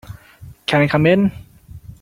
Can I come in?